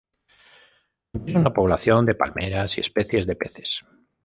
Contiene una población de palmeras y especies de peces.